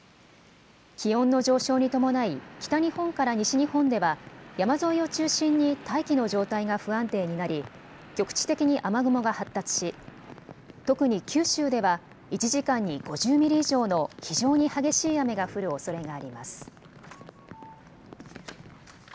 気温の上昇に伴い北日本から西日本では山沿いを中心に大気の状態が不安定になり局地的に雨雲が発達し特に九州では１時間に５０ミリ以上の非常に激しい雨が降るおそれがあります。